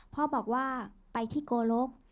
พ่อบอกว่าไปที่โกลก